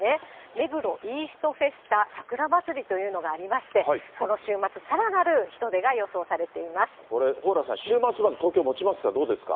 目黒イーストフェスタ・桜祭りというのがありまして、この週末、これ、蓬莱さん、週末まで東京、もちますか、どうですか。